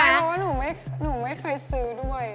เพราะว่าหนูไม่เคยซื้อด้วย